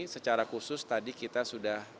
secara khusus tadi kita sudah